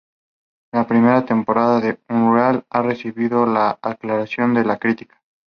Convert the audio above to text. La primera temporada de "Unreal" ha recibido la aclamación de la crítica.